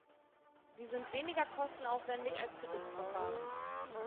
Sie sind weniger kostenaufwändig als Gerichtsverfahren.